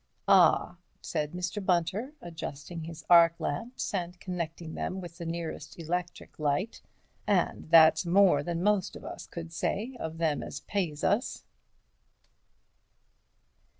"Ah!" said Mr. Bunter, adjusting his arc lamps and connecting them with the nearest electric light, "and that's more than most of us could say of them as pays us."